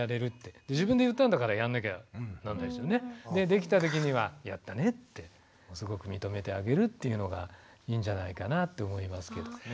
できた時には「やったね」ってすごく認めてあげるっていうのがいいんじゃないかなと思いますけどね。